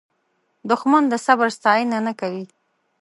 دښمن د صبر ستاینه نه کوي